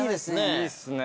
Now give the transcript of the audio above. いいですね。